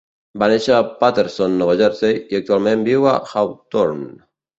Va néixer a Paterson, Nova Jersey, i actualment viu a Hawthorne.